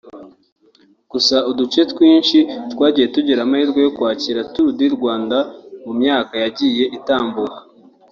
gusa uduce twinshi twagiye tugira amahirwe yo kwakira Tour du Rwanda mu myaka yagiye itambuka